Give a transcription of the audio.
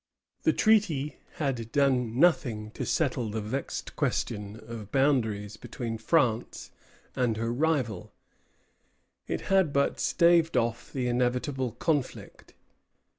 The treaty had done nothing to settle the vexed question of boundaries between France and her rival. It had but staved off the inevitable conflict.